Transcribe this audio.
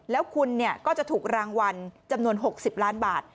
แล้วคุณก็จะถูกรางวัลจำนวน๖๐ล้านบาท